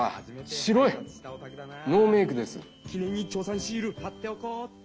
シールはっておこうっと・